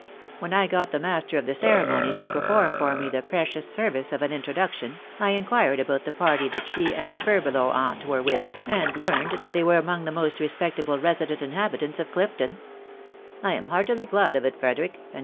When I got the master of the cexa monies to perform for me the precious service of as intro duction, I inquired about the party that, she and/ the furbelow aunt were with, and teamed that they were, among; the moss respectable resident inhabitants of Clifton*" "lam heartily gkd of it* J^Kdnrkk • w